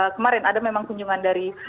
kemarin ada memang kunjungan dari